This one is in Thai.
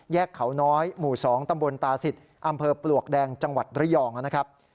เขาน้อยหมู่๒ตำบลตาศิษย์อำเภอปลวกแดงจังหวัดระยองนะครับ